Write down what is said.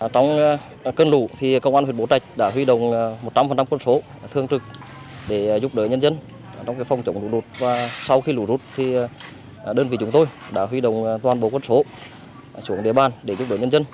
trong cơn lũ thì công an huyện bố trạch đã huy đồng một trăm linh con số thương trực để giúp đỡ nhân dân trong phòng trọng lũ rút và sau khi lũ rút thì đơn vị chúng tôi đã huy đồng toàn bộ con số xuống địa bàn để giúp đỡ nhân dân